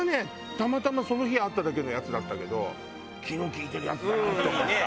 たまたまその日会っただけのヤツだったけど気の利いてるヤツだなと思った。